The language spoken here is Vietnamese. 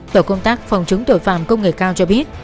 tổ công tác phòng chống tội phạm công nghệ cao cho biết